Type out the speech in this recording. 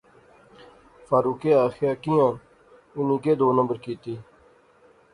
فاروقے آخیا کیاں اُنی کیہہ دو نمبر کیتی